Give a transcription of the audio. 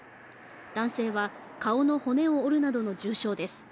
男性は顔の骨を折るなどの重傷です。